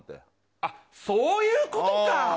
あっ、そういうことか。